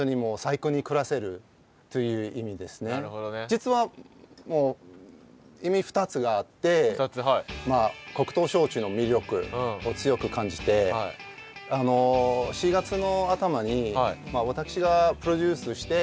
実は意味２つがあって黒糖焼酎の魅力を強く感じて４月の頭に私がプロデュースして。